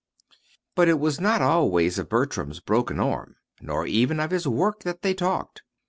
But it was not always of Bertram's broken arm, nor even of his work that they talked.